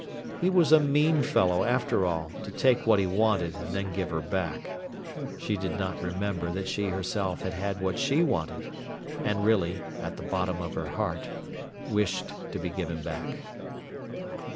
He was a mean fellow, after all, to take what he wanted and then give her back. She did not remember that she herself had had what she wanted, and really, at the bottom of her heart, wished to be given back.